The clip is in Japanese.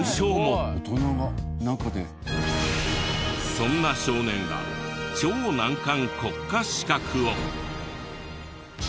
そんな少年が超難関国家資格を。